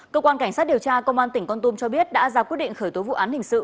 cơ quan cảnh sát điều tra công an tỉnh con tum cho biết đã ra quyết định khởi tố vụ án hình sự